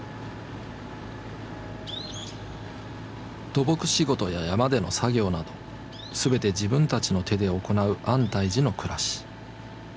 土木仕事や山での作業など全て自分たちの手で行う安泰寺の暮らし。